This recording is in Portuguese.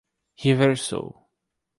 Riversul